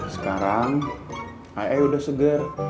sekarang ayah ayah udah seger